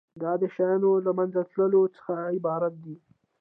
دا د شیانو له منځه تلو څخه عبارت دی.